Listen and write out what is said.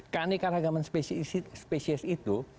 karne karagaman species itu